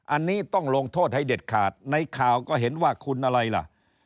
อันนี้ต้องลงโทษให้เด็ดขาดในข่าวก็เห็นว่าคุณอะไรล่ะ